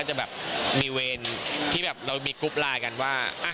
จะแบบมีเวรที่แบบเรามีกรุ๊ปไลน์กันว่า